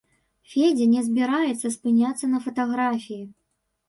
Федзя не збіраецца спыняцца на фатаграфіі.